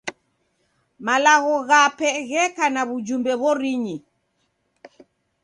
Malagho ghape gheka na w'ujumbe w'orinyi.